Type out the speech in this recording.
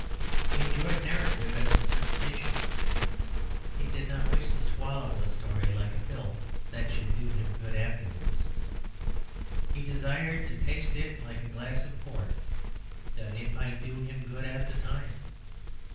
He enjoyed narrative as a sensation; he did not wish to swallow a story like a pill, that it should do him good afterwards. He desired to taste it like a glass of port, that it might do him good at the time.